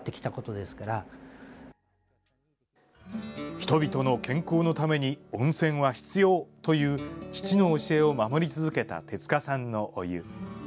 人々の健康のために温泉は必要という父の教えを守り続けた手塚さんのお湯。